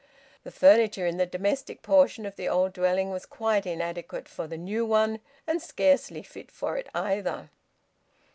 The furniture in the domestic portion of the old dwelling was quite inadequate for the new one, and scarcely fit for it either.